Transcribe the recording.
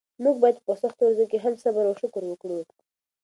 موږ باید په سختو ورځو کې هم صبر او شکر وکړو.